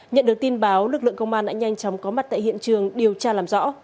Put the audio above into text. nhận được tin báo lực lượng công an đã nhanh chóng có mặt tại hiện trường điều tra làm rõ